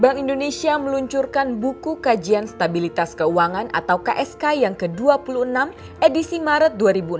bank indonesia meluncurkan buku kajian stabilitas keuangan atau ksk yang ke dua puluh enam edisi maret dua ribu enam belas